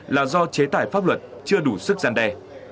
là do chế tải pháp luật chưa đủ sức gian đe